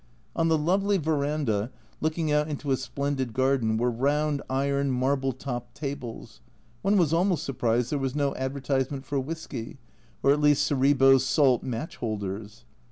On the lovely verandah, looking out into a splendid garden, were round iron marble topped tables, one was almost surprised there was no advertisement for whisky, or at least Cerebos salt match holders.